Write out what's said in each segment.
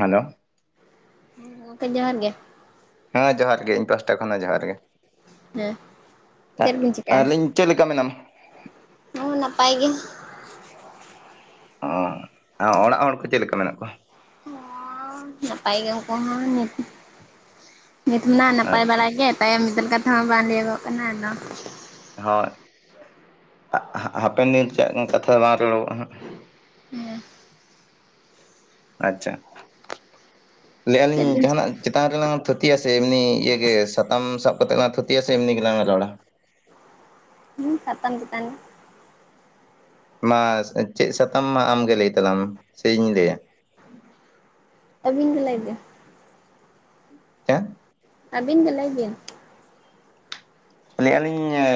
Hello ᱜᱚᱢᱠᱮ ᱡᱚᱦᱟᱨ ᱜᱮ ᱦᱮᱸ ᱡᱚᱦᱟᱨ ᱜᱮ ᱤᱧ ᱯᱟᱥᱴᱟ ᱠᱷᱚᱱᱟᱜ ᱡᱚᱦᱟᱨ ᱜᱮ ᱦᱮᱸ ᱟᱨ ᱪᱮᱫ ᱵᱤᱱ ᱪᱤᱠᱟᱹᱜᱼᱟ? ᱟᱹᱞᱤᱧ ᱪᱮᱫ ᱞᱮᱠᱟ ᱢᱮᱱᱟᱢ ᱦᱚᱸ ᱱᱟᱯᱟᱭ ᱜᱮ ᱚ ᱚᱲᱟᱜ ᱦᱚᱲ ᱠᱚ ᱪᱮᱫ ᱞᱮᱠᱟ ᱢᱮᱱᱟᱜ ᱠᱚᱣᱟ? ᱱᱟᱯᱟᱭ ᱜᱮ ᱦᱚᱯᱚ ᱱᱤᱛ ᱢᱟ ᱱᱟᱯᱟᱭ ᱟᱪᱪᱷᱟ ᱵᱟᱲᱟ ᱜᱮ ᱛᱟᱭᱚᱢ ᱢᱤᱫᱤᱱ ᱠᱟᱛᱷᱟ ᱦᱚᱸ ᱵᱟᱝ ᱞᱮᱭᱚᱜᱚ ᱠᱟᱱᱟ ᱟᱫᱚ ᱦᱳᱭ ᱦᱟᱯᱮᱱ ᱫᱤᱱ ᱪᱮᱫ ᱠᱟᱛᱷᱟ ᱫᱚ ᱵᱟᱝ ᱨᱚᱲᱚᱜᱚᱜ-ᱟ ᱦᱟᱸᱜ ᱦᱩᱸ ᱟᱪᱪᱷᱟ ᱞᱟᱹᱭᱮᱜ-ᱟ ᱪᱮᱫ ᱞᱤᱧ ᱵᱤᱱ ᱡᱟᱦᱟᱸ ᱱᱟᱜ ᱪᱮᱛᱟᱱ ᱨᱮᱞᱟᱝ ᱛᱷᱩᱛᱤᱭᱟ ᱥᱮ ᱮᱢᱱᱤ ᱤᱭᱟᱹ ᱜᱮ ᱥᱟᱛᱟᱢ ᱥᱟᱵ ᱠᱟᱛᱮᱜ ᱞᱟᱝ ᱛᱷᱩᱛᱤᱭᱟ ᱥᱮ ᱮᱢᱱᱤ ᱜᱮᱞᱟᱝ ᱨᱚᱲᱟ᱾ ᱦᱩᱸ ᱥᱟᱛᱟᱢ ᱪᱮᱛᱟᱱ᱾ ᱢᱟᱥ ᱪᱮᱫ ᱥᱟᱛᱟᱢ ᱢᱟ ᱟᱢᱜᱮ ᱞᱟᱹᱭ ᱛᱟᱞᱟᱝ ᱢᱮ ᱥᱮ ᱤᱧ ᱞᱟᱹᱭᱟ᱾ ᱟᱹᱵᱤᱱ ᱜᱮ ᱞᱟᱹᱭ ᱵᱮᱱ ᱪᱮᱸᱫ? ᱟᱵᱤᱱ ᱜᱮ ᱞᱟᱹᱭ ᱵᱤᱱ᱾ ᱞᱟᱹᱭᱮᱜ-ᱟ ᱞᱤᱧ ᱚ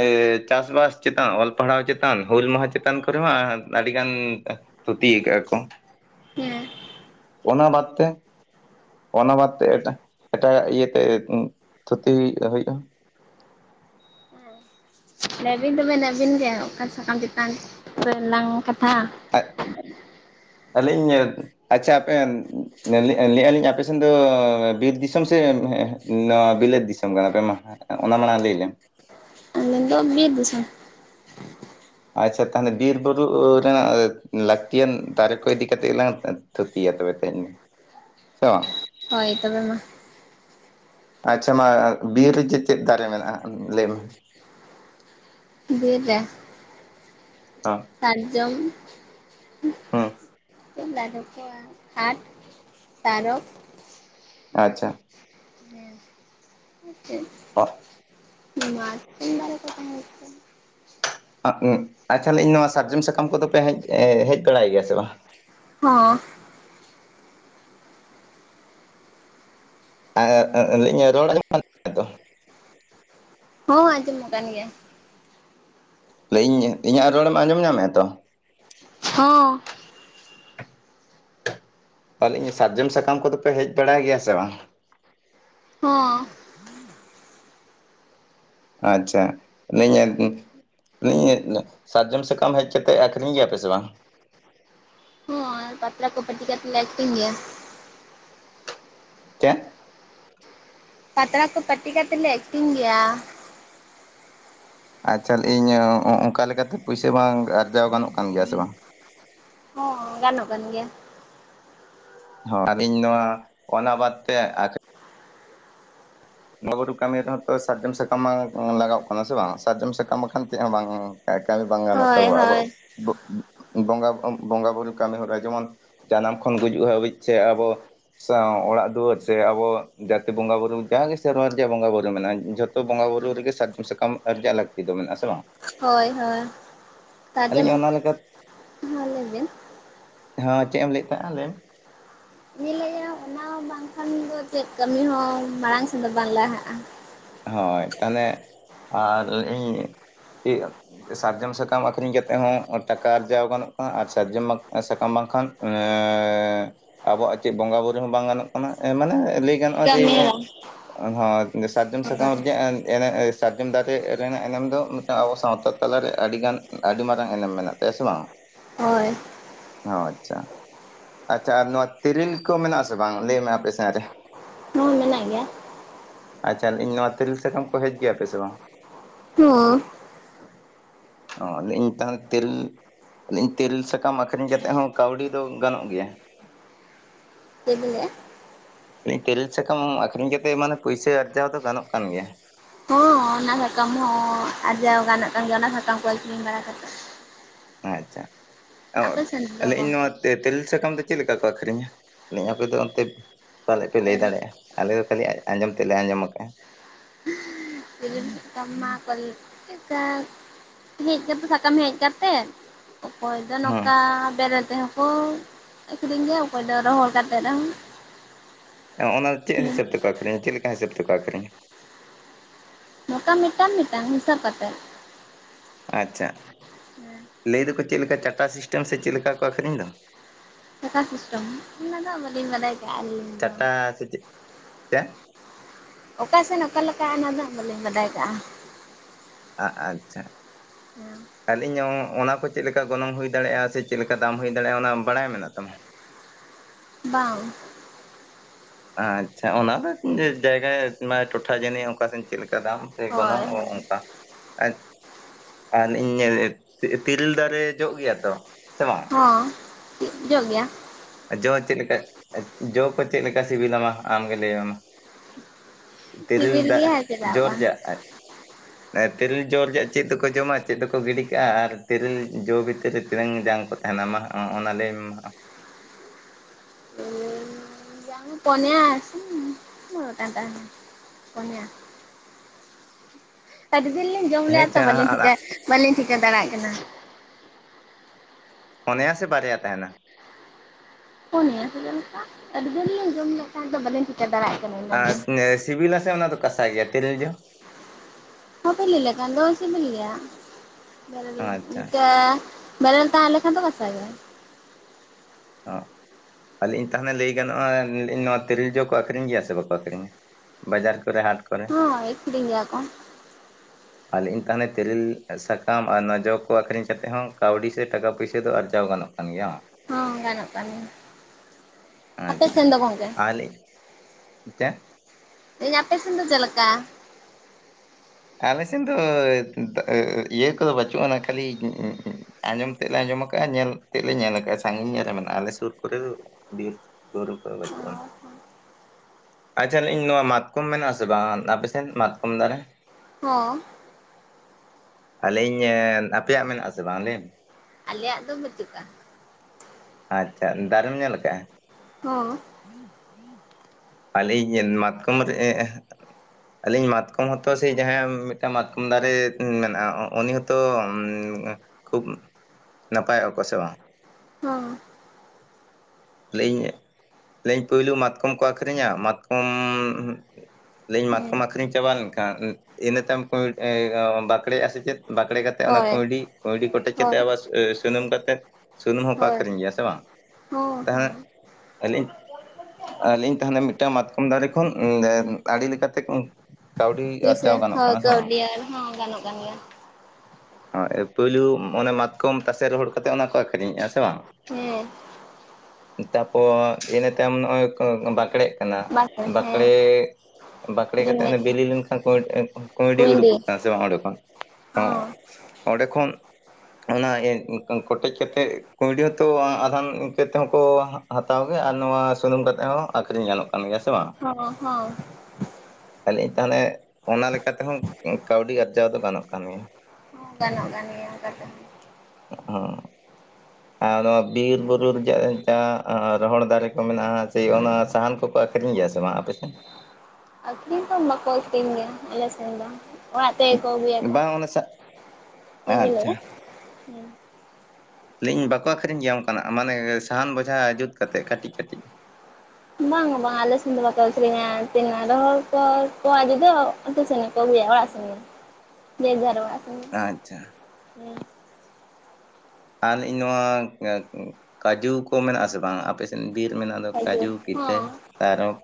ᱪᱟᱥ ᱵᱟᱥ ᱪᱮᱛᱟᱱ ᱚᱞ ᱯᱟᱲᱦᱟᱣ ᱪᱮᱛᱟᱱ ᱦᱩᱞ ᱢᱟᱦᱟᱸ ᱪᱮᱛᱟᱱ ᱠᱚᱨᱮ ᱦᱚᱸ ᱟᱸᱨ ᱟᱰᱤ ᱜᱟᱱ ᱚ ᱛᱷᱩᱛᱤ ᱭᱟᱠᱟᱜ-ᱟ ᱠᱚ᱾ ᱦᱮᱸ᱾ ᱚᱱᱟ ᱵᱟᱛ ᱛᱮ᱾ ᱚᱱᱟ ᱵᱟᱛ ᱛᱮ ᱮᱴᱟ ᱮᱴᱟᱜᱟᱜ ᱤᱭᱟᱹ ᱛᱮ ᱛᱷᱩᱛᱤ ᱦᱩᱭ ᱦᱩᱭᱩᱜ-ᱟ᱾ ᱞᱟᱹᱭ ᱵᱤᱱ ᱫᱚ ᱟᱹᱵᱤᱱ ᱜᱮ ᱚᱠᱟ ᱥᱟᱠᱟᱢ ᱪᱮᱛᱟᱱ ᱨᱮᱞᱟᱝ ᱠᱟᱛᱷᱟᱜ-ᱟ? ᱟᱡ ᱟᱹᱞᱤᱧ ᱩᱸᱫ ᱟᱪᱪᱷᱟ ᱟᱯᱮ ᱩᱸ ᱞᱟᱹᱭ ᱞᱟᱹᱭᱮᱜ-ᱟ ᱞᱤᱧ ᱟᱯᱮ ᱥᱮᱱ ᱫᱚᱻ ᱵᱤᱨ ᱫᱤᱥᱚᱢ ᱥᱮ ᱮᱸ ᱱᱚᱣᱟ ᱵᱤᱞᱟᱹᱛ ᱫᱤᱥᱚᱢ ᱠᱟᱱᱟ ᱯᱮ ᱢᱟ ᱦᱟᱸ ᱚᱱᱟ ᱢᱟᱬᱟᱝ ᱞᱟᱹᱭ ᱞᱮᱢ? ᱮ ᱫᱚ ᱵᱤᱨ ᱫᱤᱥᱚᱢ᱾ ᱟᱪᱪᱷᱟ ᱛᱟᱦᱚᱱᱮ ᱵᱤᱨ ᱵᱩᱨᱩ ᱨᱮᱱᱟᱜ ᱚ ᱞᱟᱠᱛᱤᱭᱟᱱ ᱫᱟᱨᱮ ᱠᱚ ᱤᱫᱤ ᱠᱟᱛᱮᱜ ᱞᱟᱝ ᱚᱸ ᱛᱷᱩᱛᱤᱭᱟ ᱛᱚᱵᱮ ᱛᱮᱦᱮᱧ ᱫᱚ ᱥᱮ ᱵᱟᱝ ᱾ ᱦᱚᱭ ᱛᱚᱵᱮ ᱢᱟ᱾ ᱟᱪᱪᱷᱟ ᱢᱟ ᱚ ᱵᱤᱨ ᱨᱮ ᱪᱮᱫ ᱪᱮᱫ ᱫᱟᱨᱮ ᱢᱮᱱᱟᱜ-ᱟ ᱞᱟᱹᱭ ᱢᱮ? ᱵᱤᱨ ᱨᱮ ᱚᱸ! ᱥᱟᱨᱡᱚᱢ ᱦᱩᱸ ᱫᱟᱨᱮ ᱠᱚ ᱟᱨ ᱟᱴ ᱛᱟᱨᱚᱯ ᱟᱪᱪᱷᱟ᱾ ᱟ ᱪᱮᱫ? ᱚᱦ᱾ ᱢᱟᱛᱠᱚᱢ ‌ᱫᱟᱨᱮ ‌ᱠᱚ ᱫᱚ ᱦᱚᱭ ᱛᱚ᱾ ᱟᱸᱜ ᱩᱸ ᱟᱪᱪᱷᱟ ᱞᱟᱹᱭ ᱤᱧ ᱱᱚᱣᱟ ᱥᱟᱨᱡᱚᱢ ᱥᱟᱠᱟᱢ ᱠᱚᱫᱚ ᱯᱮ ᱦᱮᱡ ᱮ ᱦᱮᱡ ᱵᱟᱲᱟᱭ ᱜᱮᱭᱟ ᱥᱮ ᱵᱟ? ᱦᱚᱸ ᱟᱸ ᱚ ᱤᱧᱟᱹ ᱨᱚᱲ ᱟᱧᱚᱢ [inaudible] ᱛᱚ᱾ ᱦᱚᱸ ᱟᱧᱡᱚᱢᱚᱜ ᱠᱟᱱ ᱜᱮᱭᱟ᱾ ᱞᱟᱸᱭ ᱮᱫ ᱤᱧ ᱤᱧᱟᱜ ᱨᱚᱲᱮᱢ ᱟᱸᱡᱚᱢ ᱧᱟᱢᱮᱜ-ᱟ ᱛᱚ᱾ ᱦᱚᱸ᱾ ᱛᱟᱦᱚᱞᱮ ᱤᱭᱟᱹ ᱥᱟᱨᱡᱚᱢ ᱥᱟᱠᱟᱢ ᱠᱚᱫᱚ ᱯᱮ ᱦᱮᱡ ᱵᱟᱲᱟᱭ ᱜᱮᱭᱟ ᱥᱮ ᱵᱟᱝ? ᱦᱚᱸ᱾ ᱟᱪᱪᱷᱟ ᱱᱤᱭᱟᱹ ᱩᱸ ᱱᱤᱭᱟᱹ ᱥᱟᱨᱡᱚᱢ ᱥᱟᱠᱟᱢ ᱦᱮᱡ ᱠᱟᱛᱮ ᱟᱠᱷᱨᱤᱧ ᱜᱮᱭᱟ ᱯᱮ ᱮᱥ ᱵᱟᱝ? ᱯᱟᱛᱨᱟ ᱠᱚ ᱯᱟᱴᱤ ᱠᱟᱛᱮ ᱞᱮ‌ ᱟᱠᱷᱨᱤᱧ‌ ᱜᱮᱭᱟ᱾ ᱪᱮᱫ? ᱯᱟᱛᱲᱟ ᱠᱚ ᱯᱟᱹᱴᱤ ᱠᱟᱛᱮ ᱞᱮ ᱟᱠᱷᱨᱤᱝ ᱜᱮᱭᱟ ᱟᱪᱪᱷᱟ ᱤᱧᱟᱹ ᱚᱸ ᱚᱝᱠᱟ ᱞᱮᱠᱟ ᱛᱮ ᱯᱩᱭᱥᱟᱹ ᱵᱟᱝ ᱜᱟᱱᱚᱜ ᱠᱟᱱ ᱜᱮᱭᱟ ᱥᱮ ᱵᱟᱝ ᱦᱚᱸ ᱜᱟᱱᱚᱜ ᱠᱟᱱ ᱜᱮᱭᱟ᱾ ᱦᱚᱸ ᱟᱨ ᱤᱧ ᱱᱚᱶᱟ ᱚᱱᱟ ᱵᱟᱫᱽ ᱛᱮ ᱟᱨ ᱡᱟ ᱵᱚᱸᱜᱟ ᱵᱩᱨᱩ ᱠᱟᱢᱤ ᱨᱮᱦᱚᱸ ᱛᱚ ᱥᱟᱨᱡᱚᱢ ᱥᱟᱠᱟᱢ ᱢᱟ ᱚᱸ ᱞᱟᱜᱟᱣᱚᱜ ᱠᱟᱱᱟ ᱥᱮ ᱵᱟᱝ ᱥᱟᱨᱡᱚᱢ ᱥᱟᱠᱟᱢ ᱵᱟᱠᱷᱟᱱ ᱪᱮᱫ ᱦᱚᱸ ᱵᱟᱝ ᱟ ᱠᱟᱢᱤ ᱵᱟᱝ ᱜᱟᱱᱚᱜ ᱦᱳᱭ ᱛᱟᱵᱚ ᱟᱵᱚ ᱦᱳᱭ ᱟ ᱵᱚ ᱵᱚᱸᱜᱟ ᱚᱸ ᱵᱩ᱾ ᱡᱟᱱᱟᱢ ᱠᱷᱚᱱ ᱜᱩᱡᱩᱜ ᱦᱟᱹᱵᱤᱡ ᱥᱮ ᱟᱵᱚ᱾ ᱥᱮ ᱚᱲᱟᱜ ᱫᱩᱣᱟᱹᱨ ᱥᱮ ᱟᱵᱚ ᱡᱟᱛᱤ ᱵᱚᱸᱜᱟ ᱵᱩᱨᱩ ᱡᱟᱜᱮ ᱥᱮᱨᱣᱟ ᱨᱮᱭᱟᱜ ᱵᱚᱸᱜᱟ ᱵᱳᱩᱨᱩᱳ ᱢᱮᱱᱟᱜᱼᱟ ᱡᱷᱚᱛᱚ ᱵᱚᱸᱜᱟ ᱵᱳᱩᱨᱩ ᱨᱮᱜᱮ ᱥᱟᱨᱡᱚᱢ ᱥᱟᱠᱟᱢ ᱨᱮᱭᱟᱜ ᱞᱟᱹᱠᱛᱤ ᱫᱚ ᱢᱮᱱᱟᱜᱼᱟ ᱥᱮ ᱵᱟᱝ? ᱦᱳᱭ ᱦᱳᱭ ᱛᱟᱡᱮᱢ ᱟᱹᱞᱤᱧ ᱚᱱᱟ ᱞᱮᱠᱟ, ᱦᱚᱸ ᱞᱟᱹᱭ ᱵᱤᱱ ᱦᱚᱸ ᱪᱮᱫ ᱮᱢ ᱞᱟᱹᱭᱮᱫ ᱛᱟᱦᱮᱸᱱᱟ ᱞᱟᱹᱭᱢᱮ᱾ ᱧᱮᱞᱮᱜᱼᱟ ᱚᱱᱟ ᱵᱟᱝᱠᱷᱟᱱ ᱟᱵᱚᱣᱟᱜ ᱪᱮᱫ ᱠᱟᱹᱢᱤ ᱦᱚᱸ ᱢᱟᱲᱟᱝ ᱥᱮᱫ ᱫᱚ ᱵᱟᱝ ᱞᱟᱦᱟᱜᱼᱟ᱾ ᱦᱳᱭ ᱛᱟᱦᱚᱞᱮ ᱟᱨ ᱤᱭᱟᱹ ᱥᱟᱨᱡᱚᱢ ᱥᱟᱠᱟᱢ ᱟᱠᱷᱨᱤᱧ ᱠᱟᱛᱮᱜ ᱦᱚᱸ ᱴᱟᱠᱟ ᱟᱨᱡᱟᱣ ᱜᱟᱱᱚᱜ ᱠᱟᱱᱟ ᱟᱨ ᱥᱟᱨᱡᱚᱢ ᱥᱟᱠᱟᱢ ᱵᱟᱝᱠᱷᱟᱱ ᱮᱸᱻ ᱟᱵᱚᱣᱟᱜ ᱪᱮᱫ ᱵᱚᱸᱜᱟ ᱵᱳᱩᱨᱩᱳ ᱦᱚᱸ ᱵᱟᱝ ᱜᱟᱱᱚᱜ ᱢᱟᱱᱮ ᱞᱟᱹᱭ ᱜᱟᱱᱚᱜᱼᱟ ᱡᱮ ᱠᱟᱹᱢᱤ ᱦᱚᱨᱟ ᱦᱚ ᱥᱟᱨᱡᱚᱢ ᱥᱟᱠᱟᱢ ᱦᱳᱭ ᱨᱮᱭᱟᱜ ᱮᱱᱮ ᱥᱟᱨᱡᱚᱢ ᱫᱟᱨᱮ ᱨᱮᱱᱟᱜ ᱮᱱᱮᱢ ᱫᱚ ᱢᱤᱫᱴᱟᱝ ᱟᱵᱚ ᱥᱟᱶᱛᱟ ᱛᱟᱞᱟᱨᱮ ᱟᱹᱰᱤᱜᱟᱱ ᱟᱹᱰᱤ ᱢᱟᱨᱟᱝ ᱮᱱᱮᱢ ᱢᱮᱱᱟᱜ ᱛᱟᱭᱟ ᱥᱮ ᱵᱟᱝ? ᱦᱳᱭ ᱚ ᱟᱪᱪᱷᱟ, ᱟᱪᱪᱷᱟ ᱟᱨ ᱱᱚᱣᱟ ᱛᱤᱨᱤᱞ ᱠᱚ ᱢᱮᱱᱟᱜ ᱟᱥᱮ ᱵᱟᱝ ᱞᱟᱹᱭ ᱢᱮᱮ ᱟᱯᱮ ᱥᱮᱱ ᱨᱮ᱾ ᱦᱳᱸ ᱢᱮᱱᱟᱜ ᱜᱮᱭᱟ᱾ ᱟᱪᱪᱷᱟ ᱤᱧ ᱱᱚᱣᱟ ᱛᱤᱨᱤᱞ ᱥᱟᱠᱟᱢ ᱠᱚ ᱦᱮᱡ ᱜᱮᱭᱟ ᱯᱮ ᱥᱮ ᱵᱟᱝ? ᱦᱳ ᱚ ᱞᱟᱹᱭᱤᱜ ᱤᱧ ᱛᱟᱦᱞᱮ ᱛᱤᱨᱤᱞ ᱞᱟᱹᱭ-ᱤᱧ ᱛᱮᱨᱮᱞ ᱥᱟᱠᱟᱢ ᱟᱹᱠᱷᱨᱤᱧ ᱠᱟᱛᱮᱫ ᱦᱚᱸ ᱠᱟᱹᱣᱰᱤ ᱫᱚ ᱜᱟᱱᱚᱜ ᱜᱮᱭᱟ? ᱪᱮᱫ ᱵᱮᱱ ᱞᱮᱜ-ᱟ? ᱞᱮᱜ-ᱤᱧ ᱛᱮᱨᱮᱞ ᱥᱟᱠᱟᱢ ᱟᱠᱷᱨᱤᱧ ᱠᱟᱛᱮ ᱢᱟᱱᱮ ᱯᱩᱭᱥᱟᱹ ᱟᱨᱡᱟᱣ ᱫᱚ ᱜᱟᱱᱚᱜ ᱠᱟᱱ ᱜᱮᱭᱟ᱾ ᱦᱚᱸ ᱚᱱᱟ ᱥᱟᱠᱟᱢ ᱦᱚᱸ ᱟᱨᱡᱟᱣ ᱜᱟᱱᱚᱜ ᱠᱟᱱ ᱜᱮᱭᱟ ᱚᱱᱟ ᱥᱟᱠᱟᱢ ᱠᱚ ᱟᱹᱠᱷᱨᱤᱧ ᱵᱟᱲᱟ ᱠᱟᱛᱮᱫ᱾ ᱟᱪᱪᱷᱟ ᱚ ᱟᱯᱮ ᱥᱮᱱ ᱫᱚ ᱞᱮᱜ-ᱤᱧ ᱜᱚᱝᱠᱮ ᱱᱚᱣᱟ ᱛᱮᱨᱮᱞ ᱥᱟᱠᱟᱢ ᱫᱚ, ᱪᱮᱫ ᱞᱮᱠᱟ ᱠᱚ ᱟᱹᱠᱷᱨᱤᱧᱟ ᱞᱮᱧ ᱟᱯᱮ ᱫᱚ ᱚᱱᱛᱮ ᱯᱟᱞᱮᱫ ᱯᱮ ᱞᱟᱹᱭ ᱫᱟᱲᱮᱭᱟᱜᱼᱟ? ᱟᱞᱮ ᱫᱚ ᱠᱷᱟᱹᱞᱤ ᱟᱸᱡᱚᱢ ᱛᱮᱫᱞᱮ ᱟᱸᱡᱚᱢ ᱠᱟᱜᱼᱟ᱾ [unintelligible] ᱥᱟᱠᱟᱢ ᱢᱟ ᱠᱚ ᱪᱮᱫ ᱦᱮᱡ ᱠᱟᱛᱮ ᱮᱫ ᱥᱟᱠᱟᱢ ᱦᱮᱡ ᱠᱟᱛᱮᱜ, ᱚᱠᱚᱭ ᱫᱚ ᱱᱚᱝᱠᱟ ᱦᱮᱸ ᱵᱮᱨᱮᱞ ᱛᱮᱦᱚᱸ ᱠᱚ ᱟᱹᱠᱷᱨᱤᱧ ᱜᱮᱭᱟ ᱚᱠᱚᱭ ᱫᱚ ᱨᱚᱦᱚᱲ ᱠᱟᱛᱮᱫ ᱨᱮᱦᱚᱸ᱾ ᱚᱱᱟ ᱪᱮᱫ ᱦᱤᱥᱟᱹᱵ ᱛᱮᱠᱚ ᱟᱹᱠᱷᱨᱤᱧᱟ? ᱪᱮᱫ ᱞᱮᱠᱟ ᱦᱤᱥᱟᱹᱵ ᱛᱮᱠᱚ ᱟᱠᱷᱨᱤᱧᱟ? ᱱᱚᱝᱠᱟ ᱢᱤᱫᱴᱟᱝ ᱢᱤᱫᱴᱟᱝ ᱦᱤᱥᱟᱹᱵ ᱠᱟᱛᱮᱫ᱾ ᱟᱪᱪᱷᱟ ᱞᱟᱹᱭ ᱫᱚᱠᱚ ᱪᱮᱫ ᱞᱮᱠᱟ ᱪᱟᱴᱟ ᱥᱤᱥᱴᱮᱢ ᱥᱮ ᱪᱮᱫ ᱞᱮᱠᱟ ᱠᱚ ᱟᱠᱷᱨᱤᱧ ᱫᱚ ᱪᱟᱠᱟ ᱥᱤᱥᱴᱮᱢ ᱚᱱᱟᱫᱚ ᱦᱟᱜ ᱵᱟᱹᱞᱤᱧ ᱵᱟᱰᱟᱭ ᱠᱟᱜ-ᱟ ᱟᱹᱞᱤᱧ᱾ ᱫᱚ ᱪᱟᱴᱟ ᱥᱮ ᱪᱤᱫ ᱪᱮᱫ? ᱚᱠᱟ ᱥᱮᱱ ᱚᱠᱟ ᱞᱮᱠᱟ ᱚᱱᱟ ᱫᱚᱦᱟᱜ ᱵᱟᱹᱞᱤᱧ ᱵᱟᱰᱟᱭ ᱠᱟᱜᱼᱟ᱾ ᱟ ᱟᱪᱪᱷᱟ ᱦᱮᱸ ᱟᱹᱞᱤᱧ ᱦᱚᱸ ᱚᱱᱟ ᱠᱚ ᱪᱮᱫ ᱞᱮᱠᱟ ᱜᱚᱱᱚᱝ ᱦᱩᱭ ᱫᱟᱲᱮᱭᱟᱜᱼᱟ ᱥᱮ ᱪᱮᱫ ᱞᱮᱠᱟ ᱫᱟᱢ ᱦᱩᱭ ᱫᱟᱲᱮᱭᱟᱜᱼᱟ ᱚᱱᱟ ᱵᱟᱲᱟᱭ ᱢᱮᱱᱟᱜ ᱛᱟᱢᱟ? ᱵᱟᱝ ᱟᱪᱪᱷᱟ ᱚᱱᱟ ᱫᱚ ᱡᱟᱭᱜᱟ ᱴᱚᱴᱷᱟ ᱡᱟᱹᱱᱤᱡ ᱚᱚᱱᱠᱟ ᱥᱮᱱ ᱪᱮᱫ ᱞᱮᱠᱟ ᱫᱟᱢ ᱥᱮ ᱦᱳᱭ ᱜᱚᱱᱚᱝ ᱚ ᱦᱳᱭ ᱚᱱᱠᱟ ᱟᱡ ᱟᱨ ᱤᱧ ᱛᱤᱨᱤᱞ ᱫᱟᱨᱮ ᱡᱚᱜ ᱜᱮᱭᱟ ᱛᱚ ᱥᱮ ᱵᱟᱝ ᱦᱚᱸ ᱡᱚᱜ ᱜᱮᱭᱟ ᱡᱚ ᱪᱮᱫ ᱞᱮᱠᱟ ᱡᱚ ᱠᱚ ᱪᱮᱫ ᱞᱮᱠᱟ ᱥᱤᱵᱤᱞᱟᱢᱟ ᱟᱢᱜᱮ ᱞᱟᱹᱭ ᱢᱮ ᱢᱟ? ᱛᱤᱨᱤᱞ ᱥᱤᱵᱤᱞ ᱫᱟ ᱜᱮᱭᱟ ᱪᱮᱫᱟᱜ ᱡᱚᱨ ᱵᱟᱝ ᱡᱟᱜ ᱛᱮᱨᱮᱞ ᱡᱚ ᱨᱮᱭᱟᱜ ᱪᱮᱫ ᱫᱚᱠᱚ ᱡᱚᱢᱟ ᱪᱮᱫ ᱫᱚᱠᱚ ᱜᱤᱰᱤ ᱠᱟᱜᱼᱟ ᱟᱨ ᱛᱮᱨᱮᱞ ᱡᱚ ᱵᱷᱤᱛᱤᱨ ᱨᱮ ᱛᱤᱱᱟᱹᱝ ᱡᱟᱝ ᱠᱚ ᱛᱟᱦᱱᱮ ᱢᱟᱜ ᱟᱢ ᱚᱱᱟ ᱞᱮ ᱢᱮ ᱟᱢ ᱯᱚᱱᱤᱭᱟ ᱢᱚᱬᱮ ᱜᱚᱴᱟᱜ ᱛᱟᱦᱮᱱᱟ ᱯᱚᱱᱤᱭᱟ᱾ ᱟᱰᱤ ᱫᱤᱱ ᱞᱤᱧ ᱡᱚᱢ ᱦᱮᱸ ᱞᱮᱫᱼᱟ ᱛᱚ, ᱪᱮ ᱵᱟᱹᱞᱤᱧ ᱴᱤᱠᱟᱹ ᱵᱟᱹᱞᱤᱧ ᱴᱷᱤᱠᱟᱹ ᱫᱟᱲᱮᱭᱟᱜ ᱠᱟᱱᱟ᱾ ᱯᱚᱱᱮᱭᱟ ᱥᱮ ᱵᱟᱨᱭᱟ ᱛᱟᱦᱮᱱᱟ? ᱯᱚᱱᱮᱭᱟ ᱥᱮ ᱪᱮᱞᱮᱠᱟ ᱟᱹᱰᱤ ᱫᱤᱱ ᱞᱤᱧ ᱡᱚᱢ ᱞᱮᱫ ᱛᱟᱦᱮᱫ ᱫᱚ ᱵᱟᱞᱤᱧ ᱴᱤᱠᱟᱹ ᱫᱟᱲᱮᱭᱟᱜ ᱠᱟᱱᱟ ᱚᱱᱟ ᱫᱚ᱾ ᱟᱨ ᱥᱤᱵᱤᱞᱟ ᱥᱮ ᱚᱱᱟ ᱫᱚ ᱠᱟᱥᱟ ᱜᱮᱭᱟ ᱛᱮᱨᱮᱞ ᱡᱚ? ᱟᱯᱮ ᱯᱮ ᱞᱟ. ᱭ ᱞᱮᱠᱷᱟᱱ ᱫᱚ ᱥᱤᱵᱤᱞ ᱜᱮᱭᱟ ᱟᱪᱪᱷᱟ ᱤᱱᱠᱟᱹ ᱵᱮᱨᱮᱞ ᱛᱟᱦᱮ ᱞᱮᱠᱷᱟᱱ ᱫᱚ ᱵᱟᱥᱟᱜ ᱜᱮᱭᱟ ᱚ ᱟᱹᱞᱤᱧ ᱛᱟᱦᱞᱮ ᱞᱟᱹᱭ ᱜᱟᱱᱚᱜᱼᱟ ᱱᱚᱣᱟ ᱛᱮᱨᱮᱞ ᱡᱚ ᱠᱚ ᱟᱹᱷᱨᱤᱧ ᱜᱮᱭᱟ ᱥᱮ ᱵᱟᱠᱚ ᱟᱹᱠᱷᱨᱤᱧᱟ ᱵᱟᱡᱟᱨ ᱠᱚᱨᱮ ᱦᱟᱴ ᱦᱚᱭ ᱟ. ᱠᱨᱤᱧ ᱜᱮᱭᱟ ᱠᱚ [unintelligible] ᱟᱞᱤ ᱤᱧ ᱛᱟᱦᱚᱞᱮ ᱛᱮᱨᱮᱞ ᱥᱟᱠᱟᱢ ᱟᱨ ᱱᱚᱣᱟ ᱡᱚ ᱠᱚ ᱟᱹᱠᱷᱨᱤᱧ ᱠᱟᱛᱮ ᱦᱚᱸ ᱠᱟᱹᱣᱰᱤ ᱥᱮ ᱴᱟᱠᱟ ᱯᱩᱭᱥᱟᱹ ᱫᱚ ᱟᱨᱡᱟᱣ ᱜᱟᱱᱚᱜᱼᱟ ᱠᱟᱱ ᱜᱮᱭᱟ ᱦᱚᱸ ᱜᱟᱱᱚᱜ ᱠᱟᱱ ᱜᱮᱭᱟ ᱟᱯᱮ ᱟᱪᱪᱷᱟ ᱥᱮᱱ ᱫᱚ ᱜᱚᱝᱠᱮ ᱟᱞᱮᱡ ᱪᱮ ᱤᱧ ᱟᱯᱮ ᱥᱮᱱ ᱫᱚ ᱪᱮᱫ ᱞᱮᱠᱟ ᱟᱞᱮ ᱥᱮᱱ ᱫᱚ ᱫᱚ ᱤᱭᱟᱹ ᱠᱚᱫᱚ ᱵᱟᱹᱪᱩᱜ ᱟᱱᱟ ᱠᱷᱟᱹᱞᱤ ᱟᱸᱡᱚᱢ ᱛᱮᱫ ᱞᱮ ᱟᱸᱡᱚᱢ ᱠᱟᱜᱼᱟ ᱧᱮᱞ ᱛᱮᱫ ᱞᱮ ᱧᱮᱞ ᱠᱟᱜᱼᱟ ᱥᱟᱺᱜᱤᱧ ᱧᱚᱜ ᱨᱮ ᱢᱮᱱᱟᱜᱼᱟ ᱟᱞᱮ ᱥᱩᱨ ᱠᱚᱨᱮ ᱵᱤᱨ ᱥᱩᱨ ᱠᱚᱨᱮ ᱵᱟᱪᱩᱜ ᱟᱱᱤᱡ ᱟᱪᱪᱷᱟ ᱞᱮ ᱤᱧ ᱱᱚᱣᱟ ᱢᱟᱛᱠᱚᱢ ᱢᱮᱱᱟᱜᱼᱟ ᱟᱥᱮ ᱵᱟᱝ ᱟᱯᱮᱥᱮᱫ ᱢᱟᱛᱠᱚᱢ ᱫᱟᱨᱮ ᱦᱚᱸ ᱟᱹᱞᱤᱧ ᱟᱯᱮᱭᱟᱜ ᱢᱮᱱᱟᱜᱼᱟ ᱟᱥᱮ ᱵᱟᱝ-ᱟ᱾ᱟᱞᱤ [inaudible] ᱟᱞᱮᱭᱟᱜ ᱫᱚ ᱵᱟᱪᱩᱜᱼᱟ ᱟᱪᱪᱷᱟ ᱫᱟᱨᱮᱢ ᱧᱮᱞ ᱠᱟᱜᱼᱟ ᱦᱚᱸ ᱟᱞᱤᱡ ᱢᱟᱛᱠᱚᱢ ᱨᱮ [unintelligible] ᱟᱹᱞᱤᱧ ᱢᱟᱛᱠᱚᱢ ᱦᱚᱛᱚ ᱥᱮ ᱡᱟᱦᱟᱸᱭ ᱢᱤᱫᱴᱟᱝ ᱢᱟᱛᱠᱚᱢ ᱫᱟᱨᱮ ᱢᱮᱱᱟᱜᱼᱟ ᱩᱱᱤ ᱛᱚ ᱠᱷᱩᱵ ᱱᱟᱯᱟᱭᱚᱜᱼᱟ ᱠᱚ ᱥᱮ ᱵᱟᱝ ᱦᱩᱸ ᱞᱮᱤᱧ ᱞᱟᱹᱭ ᱤᱧ ᱯᱳᱭᱞᱳ ᱢᱟᱛᱠᱚᱢ ᱠᱚ ᱟᱹᱷᱨᱤᱧᱟ ᱢᱟᱛᱠᱚᱢ ᱞᱟᱹᱭᱟᱹᱧ ᱦᱮᱸ ᱢᱟᱛᱠᱚᱢ ᱟᱹᱠᱷᱨᱤᱧ ᱪᱟᱵᱟ ᱞᱮᱱᱠᱷᱟᱱ ᱤᱱᱟᱹ ᱛᱟᱭᱚᱢ ᱠᱚ ᱵᱟᱠᱲᱮ ᱟ ᱥᱮ ᱪᱮᱫ ᱵᱟᱠᱲᱮ ᱠᱟᱛᱮ ᱚᱱᱟ ᱦᱳᱭ ᱠᱩᱸᱭᱰᱤ ᱠᱩᱸᱭᱰᱤ ᱠᱚᱴᱮᱡ ᱦᱳᱭ ᱠᱟᱛᱮᱫ ᱟᱵᱟᱨ ᱥᱩᱱᱩᱢ ᱠᱟᱛᱮᱫ ᱥᱩᱱᱩᱢ ᱦᱚᱸᱠᱚ ᱦᱳᱭ ᱟᱹᱠᱷᱨᱤᱧ ᱜᱮᱭᱟ ᱥᱮ ᱵᱟᱝ ᱦᱚᱸ ᱛᱟᱦᱮ ᱦᱚᱸ ᱟᱹᱞᱤᱧ ᱟᱹᱞᱤᱧ ᱛᱟᱦᱮᱞᱮ ᱢᱤᱫᱴᱟᱱ ᱢᱟᱛᱠᱚᱢ ᱫᱟᱨᱮ ᱠᱷᱚᱱ ᱟᱹᱰᱤ ᱞᱮᱠᱟᱛᱮ ᱠᱟᱹᱣᱰᱤ ᱦᱩᱭ ᱥᱮ ᱟᱨᱡᱟᱣ ᱜᱟᱱᱚᱜ ᱦᱳᱭ ᱠᱟᱱᱟ ᱥᱮ ᱵᱟᱝ? ᱠᱟᱹᱣᱰᱤ ᱟᱨ ᱦᱚᱸ ᱜᱟᱱᱚᱜ ᱠᱟᱱ ᱜᱮᱭᱟ ᱦᱳᱭ ᱯᱩᱭᱞᱩ ᱚᱱᱮ ᱢᱟᱛᱠᱚᱢ ᱛᱟᱥᱮ ᱨᱚᱦᱚᱲ ᱠᱟᱛᱮᱫ ᱚᱱᱟ ᱠᱚ ᱟᱹᱠᱷᱨᱤᱧᱮᱜᱼᱟ ᱥᱮ ᱵᱟᱝ ᱦᱮᱸ ᱛᱟᱯᱚ ᱤᱱᱟ ᱛᱟᱭᱚᱢ ᱱᱚᱜ ᱚᱭ ᱠᱚ ᱵᱟᱠᱲᱮ ᱠᱟᱱᱟ ᱵᱟᱝ ᱦᱮᱸ ᱵᱟᱠᱲᱮ ᱵᱟᱠᱲᱮ ᱠᱟᱛᱮᱫ ᱡᱩᱢᱤᱫ ᱵᱤᱞᱤ ᱞᱮᱱᱠᱷᱟᱱ ᱠᱩᱸᱭᱰᱤ ᱠᱩᱭᱰᱤ ᱩᱰᱩᱠᱚᱜ ᱠᱟᱱᱟ ᱥᱮ ᱵᱟᱝ ᱚᱸᱰᱮ ᱠᱷᱚᱱ ᱦᱚᱸ ᱚᱸᱰᱮ ᱠᱷᱚᱱ ᱚᱱᱟ ᱠᱚᱴᱮᱡ ᱠᱟᱛᱮᱫ ᱠᱩᱭᱰᱤ ᱦᱚᱸᱛᱚ ᱟᱫᱷᱟᱱ ᱤᱱᱠᱟᱹ ᱛᱮᱦᱚᱸ ᱠᱚ ᱦᱟᱛᱟᱣ ᱜᱮ ᱟᱨ ᱱᱚᱣᱟ ᱥᱩᱱᱩᱢ ᱠᱟᱛᱮᱫ ᱦᱚᱸ ᱟᱹᱠᱷᱨᱤᱧ ᱜᱟᱱᱚᱜ ᱠᱟᱱ ᱜᱮᱭᱟ ᱥᱮ ᱵᱟᱝ ᱦᱩᱸ ᱦᱩᱸ ᱟᱹᱞᱤᱧ ᱛᱟᱦᱚᱞᱮ ᱚᱱᱟ ᱛᱮᱦᱚᱸ ᱠᱟᱹᱣᱰᱤ ᱟᱨᱡᱟᱣ ᱫᱚ ᱜᱟᱱᱚᱜ ᱠᱟᱱ ᱜᱮᱭᱟ ᱜᱟᱱᱚᱜ ᱠᱟᱱ ᱜᱮᱭᱟ ᱚᱱᱠᱟ ᱫᱚ ᱦᱩᱸ [inaudible] ᱟᱨ ᱱᱚᱣᱟ ᱵᱤᱨ ᱵᱩᱨᱩ ᱨᱮᱭᱟᱜ ᱡᱟᱦᱟᱸ ᱨᱚᱦᱚᱲ ᱫᱟᱨᱮ ᱠᱚ ᱢᱮᱱᱟᱜᱼᱟ ᱥᱮ ᱚᱱᱟ ᱥᱟᱦᱟᱱ ᱠᱚᱠᱚ ᱟᱠᱨᱤᱧ ᱜᱮᱭᱟ ᱥᱮ ᱵᱟᱝ ᱟᱯᱮ ᱥᱮᱫ ᱤ [inaudible] ᱠᱚ ᱵᱟᱠᱚ ᱟᱹᱠᱷᱨᱤᱧ ᱜᱮᱭᱟ ᱟᱞᱮᱥᱱ ᱫᱚ ᱚᱲᱟᱜ ᱛᱮᱜᱮ ᱠᱚ ᱟᱜᱩᱭᱟ ᱠᱚ ᱵᱟᱝ ᱚᱱᱟ ᱥᱟ [inaudible] ᱟᱪᱪᱷᱟ ᱦᱮᱸ ᱞᱮ ᱤᱧ ᱵᱟᱠᱚ ᱟᱹᱷᱨᱤᱧ ᱜᱮᱭᱟ ᱚᱱᱠᱟᱱᱟᱜ ᱢᱟᱱᱮ ᱥᱟᱦᱟᱱ ᱵᱚᱡᱷᱟ ᱡᱩᱛ ᱠᱟᱛᱮᱫ ᱠᱟᱹᱴᱤᱡ ᱠᱟᱹᱴᱤᱡ ᱵᱟᱝ ᱵᱟᱝ ᱟᱞᱮ ᱥᱮᱱ ᱫᱚ ᱵᱟᱠᱚ ᱟᱹᱠᱷᱨᱤᱧᱟ ᱛᱱᱟᱹ [inaudible] ᱦᱚᱲ ᱠᱚ ᱠᱚ ᱟᱫ ᱫᱚ ᱤᱱᱠᱟᱹ ᱥᱮᱫ ᱠᱚ ᱟᱜᱩᱭᱟ ᱚᱲᱟᱜ ᱥᱮᱱ ᱜᱮ ᱡᱮᱡᱟᱨ ᱚᱲᱟᱜ ᱥᱮᱱ ᱜᱮ ᱟᱪᱪᱷᱟ ᱦᱮᱸ ᱟᱨ ᱱᱚᱣᱟ ᱠᱟᱹᱡᱩ ᱠᱚ ᱢᱮᱱᱟᱜ ᱟᱥᱮ ᱵᱟᱝ ᱟᱯᱮ ᱥᱮᱫ ᱵᱤᱨ ᱢᱮᱱᱟᱜ ᱫᱚ ᱠᱷᱟᱡᱩᱨ ᱠᱟᱹᱡᱩ ᱠᱤᱛᱟᱹ ᱦᱚᱸ ᱛᱟᱨᱚᱵ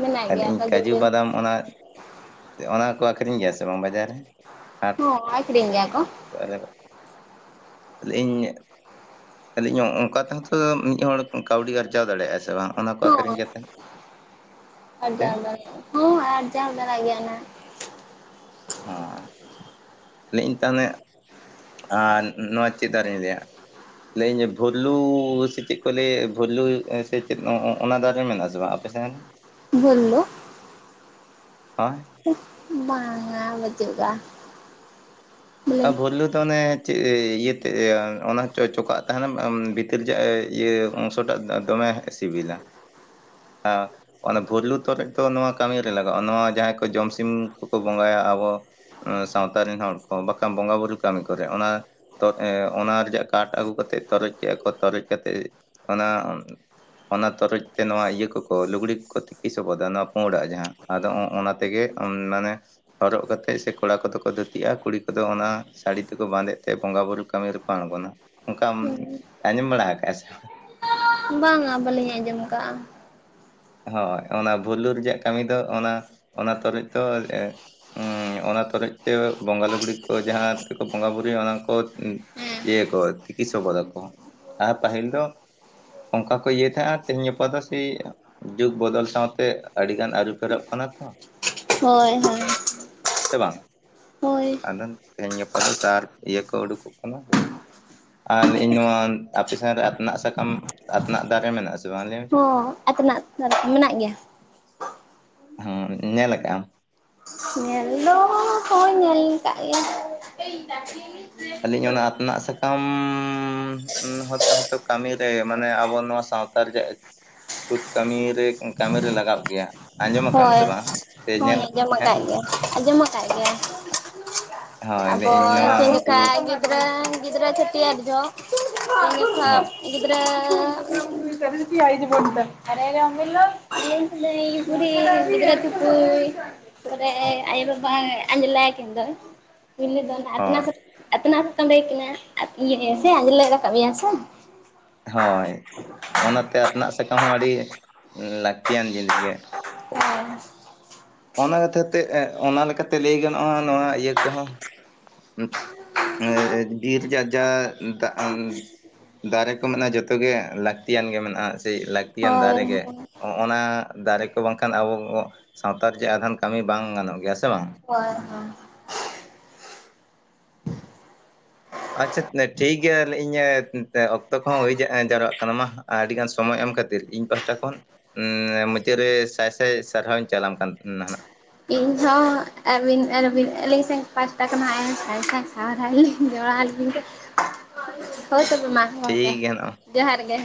ᱢᱮᱱᱟᱜ ᱮ ᱜᱮᱭᱟ ᱤᱧ ᱠᱷᱟᱡᱩᱨ ᱠᱟᱹᱡᱩ ᱵᱤᱞ ᱵᱟᱫᱟᱢ ᱚᱱᱟ ᱚᱱᱟ ᱠᱚ ᱟᱹᱠᱷᱨᱤᱧ ᱜᱮᱭᱟ ᱥᱮ ᱵᱟᱝ ᱵᱟᱡᱟᱨ ᱨᱮ ᱦᱟᱴ ᱦᱩᱸ ᱟᱠᱷᱽᱨᱤᱧ ᱜᱮᱭᱟ ᱠᱚ [unintelligible] ᱞᱟ. ᱭᱮᱫ ᱤᱧ ᱛᱟᱦᱚᱞᱮ ᱚᱝ ᱚᱱᱠᱟ ᱛᱮᱦᱛᱚ ᱢᱤᱫ ᱦᱚᱲ ᱠᱟᱹᱣᱰᱤ ᱟᱨᱡᱟᱣ ᱫᱟᱲᱮᱭᱟᱜᱼᱟ ᱥᱮ ᱵᱟᱝ ᱚᱱᱟ ᱠᱚ ᱟᱹᱠᱷᱨᱤᱧ ᱦᱚᱸ ᱠᱟᱛᱮᱫ [inaudible] ᱛᱮ ᱟᱨᱡᱟᱣ ᱫᱟᱲᱮ ᱦᱩᱸ ᱟᱨᱡᱟᱣ ᱫᱟᱲᱟᱜ ᱜᱮᱭᱟᱹᱭ ᱱᱟᱹᱜ ᱚ ᱱᱤᱝᱠᱟᱱᱮᱫ ᱟᱨ ᱱᱚᱣᱟ ᱪᱮᱫ ᱫᱟᱨᱮᱧ ᱞᱟᱹᱭᱟ ᱞᱟᱹᱭᱟᱹᱧᱟᱹ ᱵᱷᱚᱞᱩ ᱥᱮ ᱪᱮᱫ ᱠᱚ ᱞᱟᱹᱭᱮᱫ ᱵᱷᱚᱞᱩ ᱥᱮ ᱪᱮᱫ ᱚᱱ ᱚᱱᱟ ᱫᱟᱨᱮ ᱢᱮᱱᱟᱜᱼᱟ ᱥᱮ ᱵᱟᱝ ᱟᱯᱮᱥᱮᱱ [inaudible] ᱵᱷᱳᱞᱞᱳ ᱦᱮᱸ ᱵᱟᱝ ᱟ ᱵᱟᱹᱪᱩᱜ ᱠᱟᱜ -ᱟ ᱟᱨ ᱵᱳᱚᱞᱞᱩ ᱛᱚ ᱚᱱᱮ ᱪᱮᱫ ᱤᱭᱟᱹᱛᱮ ᱚᱱᱟ ᱪᱚ ᱪᱚᱠᱟᱜ ᱛᱟᱦᱮᱱᱟ ᱵᱷᱤᱛᱤᱨ ᱡᱟᱹᱮ ᱤᱭᱟᱹ ᱚᱝᱥᱚᱴᱟᱜ ᱫᱚᱢᱮ ᱥᱤᱵᱤᱞᱟ ᱦᱚᱸ ᱚᱱᱟ ᱵᱷᱳᱞᱞᱩ ᱛᱚᱨᱚᱡ ᱫᱚ ᱱᱚᱣᱟ ᱠᱟᱹᱢᱤᱨᱮ ᱞᱟᱜᱟᱜᱼᱟ ᱱᱚᱣᱟ ᱡᱟᱦᱟᱸᱭ ᱠᱚ ᱡᱚᱢ ᱥᱤᱢ ᱠᱚᱠᱚ ᱵᱚᱸᱜᱟᱭᱟ ᱟᱵᱚ ᱥᱟᱶᱛᱟ ᱨᱮᱱ ᱦᱚᱲ ᱠᱚ ᱵᱟᱠᱷᱟᱱ ᱵᱚᱸᱜᱟᱼ ᱵᱩᱨᱩ ᱠᱟᱹᱢᱤ ᱠᱚᱨᱮ ᱚᱱᱟ ᱚᱱᱟ ᱨᱮᱭᱟᱜ ᱠᱟᱴ ᱟᱹᱜᱩ ᱠᱟᱛᱮᱫ ᱛᱚᱨᱚᱡ ᱠᱮᱫᱼᱟ ᱠᱚ ᱛᱚᱨᱚᱡ ᱠᱟᱛᱮᱫ ᱚᱱᱟ ᱚᱱᱟ ᱛᱚᱨᱚᱡ ᱛᱮ ᱱᱚᱣᱟ ᱤᱭᱟᱹ ᱠᱚᱠᱚ ᱞᱩᱜᱽᱲᱤ ᱠᱚ ᱠᱚ ᱛᱤᱠᱤ ᱥᱚᱵᱚᱫᱟ ᱱᱚᱣᱟ ᱯᱚᱸᱰᱟᱜ ᱡᱟᱦᱟᱸ ᱟᱫᱚ ᱚᱱᱟ ᱚᱱᱟ ᱛᱮᱜᱮ ᱢᱟᱱᱮ ᱦᱚᱨᱚᱜ ᱠᱟᱛᱮᱜ ᱥᱮ ᱠᱚᱲᱟ ᱠᱚᱫᱚ ᱠᱚ ᱫᱷᱩᱛᱤᱜᱼᱟ ᱠᱩᱲᱤ ᱠᱩᱫᱚ ᱚᱱᱟ ᱥᱟᱹᱲᱤ ᱛᱮᱠᱚ ᱵᱟᱸᱫᱮᱜ ᱛᱮ ᱵᱚᱸᱜᱟ ᱵᱩᱨᱩ ᱠᱟᱹᱢᱤ ᱨᱮᱠᱚ ᱟᱬᱜᱚᱱᱟ ᱚᱱᱠᱟ ᱟᱸᱡᱚᱢ ᱵᱟᱹᱲᱟ ᱠᱟᱜᱼᱟ ᱥᱮ ᱵᱟᱝ ᱵᱟᱝᱟ ᱵᱟᱹᱞᱤᱧ ᱟᱸᱡᱚᱢ ᱟᱠᱟᱜᱼᱟ ᱦᱳᱭ ᱚᱱᱟ ᱵᱷᱩᱞᱞᱩ ᱨᱮᱭᱟᱜ ᱠᱟᱹᱢᱤ ᱫᱚ ᱚᱱᱟ ᱚᱱᱟ ᱛᱚᱨᱚᱡ ᱫᱚ ᱚᱱᱟ ᱛᱚᱨᱚᱡ ᱛᱮ ᱵᱚᱸᱜᱟ ᱞᱩᱜᱽᱲᱤ ᱠᱚ ᱠᱚ ᱡᱟᱦᱟᱸ ᱛᱮᱠᱚ ᱵᱚᱸᱜᱟᱼᱵᱩᱨᱩᱭᱟ ᱚᱱᱟ ᱠᱚ ᱦᱮᱸ ᱤᱭᱟᱹᱠᱚ ᱛᱤᱠᱤ ᱥᱚᱵᱚᱫᱟᱠᱚ ᱟᱨ ᱯᱟᱹᱦᱤᱞ ᱫᱚ ᱚᱱᱠᱟ ᱠᱚ ᱤᱭᱟᱹᱭ ᱛᱟᱦᱮᱸᱜᱼᱟ ᱛᱮᱦᱮᱧ ᱜᱟᱯᱟ ᱫᱚ ᱥᱮᱭ ᱡᱩᱜᱽ ᱵᱚᱫᱚᱞ ᱥᱟᱶᱛᱮ ᱟᱹᱰᱤ ᱜᱟᱱ ᱟᱹᱨᱩ ᱯᱷᱮᱨᱚᱜ ᱠᱟᱱᱟ ᱛᱚ ᱦᱳᱭ ᱦᱳᱭ ᱥᱮ ᱵᱟᱝ ᱦᱳᱭ ᱟᱫᱚ ᱛᱮᱦᱮᱧ ᱜᱟᱯᱟ ᱫᱚ ᱥᱟᱨ ᱤᱭᱟᱹ ᱠᱚ ᱩᱰᱩᱠᱚᱜ ᱠᱟᱱᱟ ᱥᱮ ᱟᱨ ᱤᱧ ᱱᱚᱣᱟ ᱟᱯᱮᱥᱮᱱᱟ ᱨᱮ ᱟᱛᱱᱟᱜ ᱥᱟᱠᱟᱢ ᱟᱛᱱᱟᱜ ᱫᱟᱨᱮ ᱢᱮᱱᱟᱜ ᱟᱥᱮ ᱵᱟᱝ ᱞᱟᱹᱭ ᱢᱮᱥᱮ ᱦᱚᱸ [unintelligible] ᱢᱮᱱᱟᱜ ᱜᱮᱭᱟ ᱦᱚᱸ ᱧᱮᱞ ᱠᱟᱜ ᱟᱢ ᱧᱮᱞ ᱫᱚ ᱦᱚᱸᱜ ᱚᱭ ᱧᱮᱞ [unintelligible] ᱟᱹᱞᱤᱧ ᱚᱱᱟ ᱟᱛᱱᱟᱜ ᱥᱟᱠᱟᱢ ᱦᱚᱛᱚ ᱠᱟᱹᱢᱤ ᱨᱮ ᱢᱟᱱᱮ ᱟᱵᱚ ᱱᱚᱣᱟ ᱥᱟᱶᱛᱟ ᱨᱮᱭᱟᱜ ᱪᱷᱩᱸᱛ ᱠᱟᱹᱢᱤᱨᱮ ᱠᱟᱹᱢᱤᱨᱮ ᱞᱟᱜᱟᱜ ᱜᱮᱭᱟ ᱟᱸᱡᱚᱢ ᱟᱠᱟᱟᱢ ᱦᱳᱭ ᱥᱮ ᱵᱟᱝ ᱥᱮ ᱦᱳᱭ ᱧᱮᱞ ᱟᱸᱡᱚᱢ ᱠᱟᱫ ᱦᱮᱸ ᱜᱮᱭᱟ ᱟᱸᱡᱚᱢ ᱠᱟᱫ ᱜᱮᱭᱟ ᱥᱮ ᱦᱳᱭ ᱞᱟᱹᱭᱟᱹᱧ ᱱᱚᱣᱟ ᱜᱤᱫᱽᱨᱟᱹ ᱜᱤᱫᱽᱨᱟᱹ ᱪᱷᱩᱴᱤ ᱦᱟᱨ ᱡᱚ ᱟ ᱦᱚᱸ [unintelligible] ᱜᱤᱫᱽᱨᱟᱹ [unintelligible] [unintelligible] ᱪᱤᱫᱨᱟ [unintelligible] ᱨᱮ ᱟᱭᱳ ᱵᱟᱵᱟ ᱟᱸᱡ ᱞᱟᱳ ᱟᱠᱤᱱ ᱫᱚᱭ ᱯᱟᱹᱭᱞᱟᱹ ᱫᱚ ᱚᱱᱟ ᱟᱛᱱᱟᱜ ᱦᱳᱭ ᱥᱟ ᱟᱛᱱᱟᱜ ᱥᱟᱠᱟᱢ ᱨᱮᱜᱮ ᱤᱭᱟᱹ ᱥᱮ ᱟᱸᱡᱽᱞᱮ ᱨᱟᱠᱟᱵ ᱢᱮᱭᱟ ᱥᱮ ᱦᱳᱭ ᱚᱱᱟᱛᱮ ᱟᱛᱱᱟᱜ ᱥᱟᱠᱟᱢ ᱦᱚᱸ ᱟᱹᱰᱤ ᱞᱟᱹᱠᱛᱤᱭᱟᱱ ᱡᱤᱱᱤᱥ ᱜᱮ ᱚᱱᱟ ᱠᱷᱟᱹᱛᱤᱨ ᱛᱮ ᱚᱱᱟ ᱞᱮᱠᱟᱛᱮ ᱞᱟᱹᱭ ᱜᱟᱱᱚᱜᱼᱟ ᱱᱚᱣᱟ ᱤᱭᱟᱹ ᱠᱚᱦᱚᱸ ᱵᱤᱨᱤᱨ ᱡᱟᱡᱟ ᱫᱟᱜ ᱫᱟᱨᱮ ᱠᱚ ᱢᱮᱱᱟᱜᱼᱟ ᱡᱚᱛᱚᱣᱟᱜ ᱜᱮ ᱞᱟᱹᱠᱛᱤᱭᱟᱱ ᱜᱮ ᱢᱮᱱᱟᱜᱼᱟ ᱥᱮ ᱞᱟᱹᱠᱛᱤᱭᱟᱱ ᱦᱳᱭ ᱦᱳᱭ ᱫᱟᱨᱮ ᱜᱮ ᱚᱱᱟ ᱫᱟᱨᱮ ᱠᱚ ᱵᱟᱝᱠᱷᱟᱱ ᱟᱵᱚ ᱥᱟᱶᱛᱟᱨᱮ ᱡᱮ ᱟᱫᱷᱟᱱ ᱠᱟᱹᱢᱤ ᱵᱟᱝ ᱜᱟᱱᱚᱜ ᱜᱮᱭᱟ ᱥᱮ ᱵᱟᱝ ᱦᱳᱭ ᱦᱳᱭ ᱟᱪᱪᱷᱟ ᱴᱷᱤᱠ ᱜᱮᱭᱟ ᱤᱧ ᱚᱠᱛᱚ ᱠᱚᱦᱚᱸ ᱦᱩᱭ ᱡᱟᱣᱨᱟᱜ ᱠᱟᱱᱟ ᱢᱟ ᱟᱹᱰᱤ ᱜᱟᱱ ᱥᱚᱢᱚᱭ ᱮᱢ ᱠᱷᱟᱹᱛᱤᱨ ᱤᱧ ᱫᱚᱥᱴᱟ ᱠᱷᱚᱱ ᱢᱩᱪᱟᱹᱫ ᱨᱮ ᱥᱟᱭ ᱥᱟᱭ ᱥᱟᱨᱦᱟᱣᱤᱧ ᱪᱟᱞᱟᱢ ᱠᱟᱱᱟ ᱤᱧ ᱦᱚᱸ [unintelligible] ᱟᱨ ᱟᱞᱤᱧ ᱡᱚᱦᱟᱨ ᱟᱞᱤᱧ ᱫᱚ ᱦᱳᱭ ᱛᱚᱵᱮ ᱢᱟ ᱜᱚᱝᱠᱮ ᱴᱷᱤᱠ ᱡᱚᱦᱟᱨ ᱜᱮ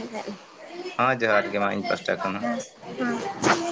ᱦᱮᱸ ᱡᱚᱦᱟᱨ ᱜᱮ ᱢᱟ ᱤᱧ ᱯᱟᱥᱴᱟ ᱠᱷᱚᱱ ᱦᱚᱸ ᱦᱩᱸ